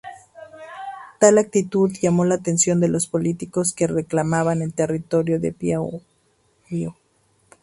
Tal actitud llamó la atención de los políticos que reclamaban el territorio de Piauí.